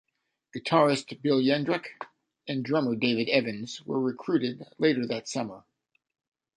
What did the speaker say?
Guitarist Bill Yendrek and drummer David Evans were recruited later that summer.